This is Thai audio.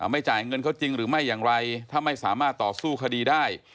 ไม่จ่ายเงินเขาจริงหรือไม่อย่างไรถ้าไม่สามารถต่อสู้คดีได้